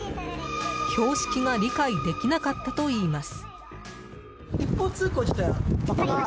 標識が理解できなかったといいます。